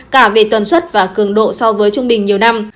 cả về tuần xuất và cường độ so với trung bình nhiều năm